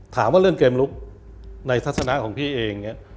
ถามว่าเรื่องเกมรุกในทัศนาของพี่เอง